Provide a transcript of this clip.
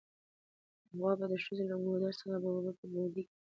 پخوا به ښځو له ګودر څخه اوبه په ګوډي کې راوړلې